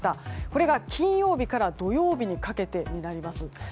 これが金曜日から土曜日にかけてです。